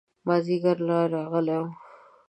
مازدیګر لا راغلی و.